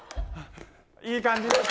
いい感じです。